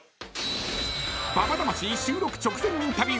［ＢＡＢＡ魂収録直前インタビュー］